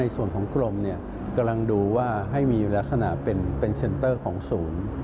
ส่วนของกรมกำลังดูว่าให้มีลักษณะเป็นเซ็นเตอร์ของศูนย์